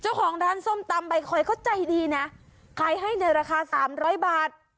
เจ้าของร้านส้มตำใบคอยก็ใจดีนะขายให้ในราคาสามร้อยบาท